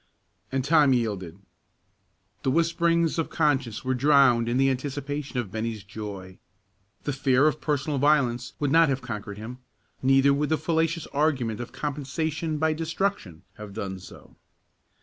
And Tom yielded. The whisperings of conscience were drowned in the anticipation of Bennie's joy. The fear of personal violence would not have conquered him; neither would the fallacious argument of compensation by destruction have done so.